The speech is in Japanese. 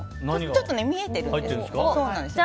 ちょっと見えてるんですけど。